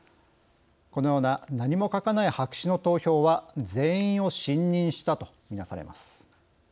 このような何も書かない白紙の投票は全員を信任したと見なされます。